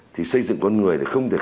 thì xây dựng con người là không thể khác